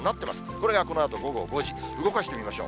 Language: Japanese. これがこのあと午後５時、動かしてみましょう。